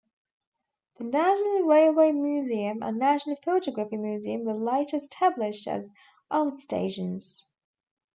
The National Railway Museum and National Photography Museum were later established as "outstations".